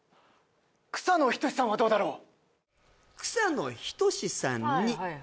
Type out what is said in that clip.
草野仁さんはどうだろう？